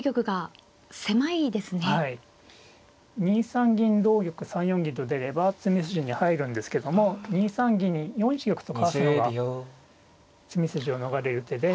２三銀同玉３四銀と出れば詰み筋に入るんですけども２三銀に４一玉とかわすのが詰み筋を逃れる手で。